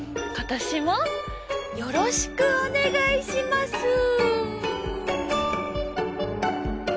今年もよろしくお願いします。